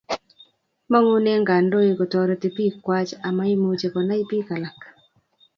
Mangune kandoik katareti piik kwai amamche konai piik alak